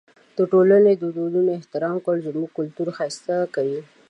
د ټولنې د دودونو احترام کول زموږ کلتور ښایسته کوي.